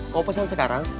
kok posisi sekarang